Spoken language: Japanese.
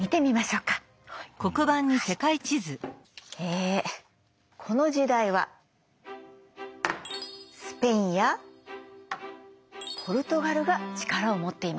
えこの時代はスペインやポルトガルが力を持っていました。